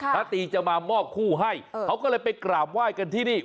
ตีจะมามอบคู่ให้เขาก็เลยไปกราบไหว้กันที่นี่